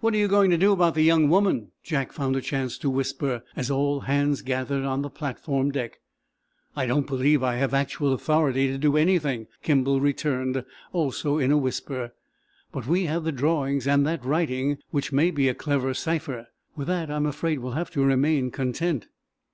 "What are you going to do about the young woman?" Jack found a chance to whisper, as all hands gathered on the platform deck. "I don't believe I have actual authority to do anything," Kimball returned, also in a whisper. "But we have the drawings, and that writing, which may be a clever cipher. With that I'm afraid we'll have to remain content."